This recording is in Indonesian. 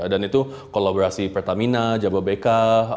dan itu kolaborasi pertamina jababeca